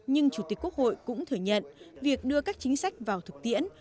nhưng chủ tịch quốc hội cũng thừa nhận việc đưa các chính sách vào thực tiễn